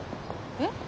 えっ？